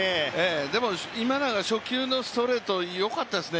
でも、今永、初球のストレートよかったですね。